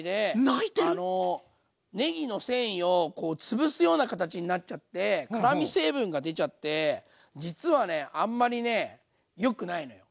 泣いてる⁉ねぎの繊維を潰すような形になっちゃって辛味成分が出ちゃって実はねあんまりねよくないのよ。